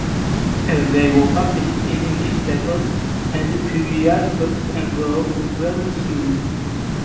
They were published in newspapers and periodicals and were well received.